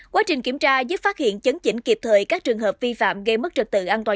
quá trình kiểm tra giúp phát hiện chấn chỉnh kịp thời các trường hợp vi phạm gây mất trật tự an toàn